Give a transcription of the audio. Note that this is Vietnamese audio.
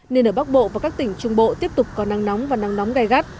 nên ở bắc bộ và các tỉnh trung bộ tiếp tục có nắng nóng và nắng nóng gai gắt